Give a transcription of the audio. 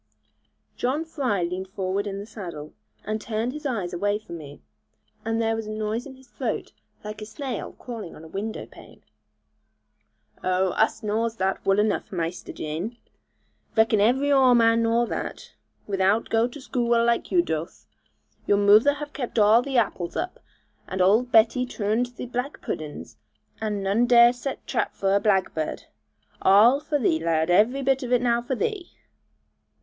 John Fry leaned forward in the saddle, and turned his eyes away from me; and then there was a noise in his throat like a snail crawling on a window pane. 'Oh, us knaws that wull enough, Maister Jan; reckon every Oare man knaw that, without go to skoo ull, like you doth. Your moother have kept arl the apples up, and old Betty toorned the black puddens, and none dare set trap for a blagbird. Arl for thee, lad; every bit of it now for thee!'